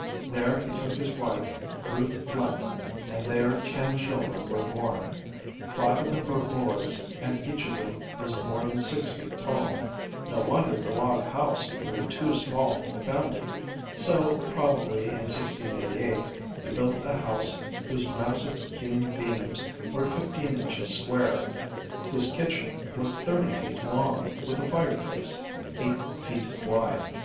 There he took his wife, Ruth Flint, and there ten children were born. Five of them were boys, and each of them was more than six feet tall. No wonder the log house grew too small for the family. So, probably in 1688, he built a house whose massive hewn beams were fifteen inches square, whose kitchen was thirty feet long, with a fireplace eight feet wide.